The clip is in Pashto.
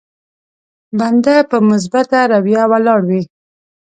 بنده په مثبته رويه ولاړ وي.